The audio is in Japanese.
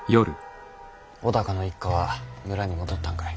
尾高の一家は村に戻ったんかい？